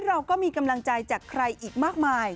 เราก็มีกำลังใจจากใครอีกมากมาย